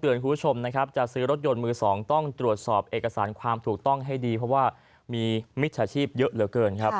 คุณผู้ชมนะครับจะซื้อรถยนต์มือสองต้องตรวจสอบเอกสารความถูกต้องให้ดีเพราะว่ามีมิจฉาชีพเยอะเหลือเกินครับ